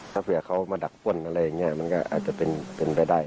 ถ้าเขามาดักปล้นอะไรอย่างนี้ก็เป็นไปได้